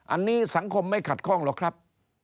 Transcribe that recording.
อันนี้สังคมไม่ขัดข้องหรอกครับ